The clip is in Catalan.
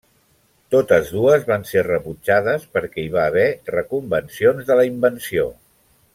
Totes dues van ser rebutjades perquè hi va haver reconvencions de la invenció.